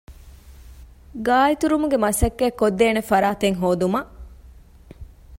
ގާއެތުރުމުގެ މަސައްކަތްކޮށްދޭނެ ފަރާތެއް ހޯދުމަށް